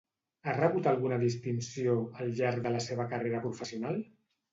Ha rebut alguna distinció, al llarg de la seva carrera professional?